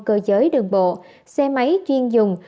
cơ giới đường bộ xe máy chuyên dùng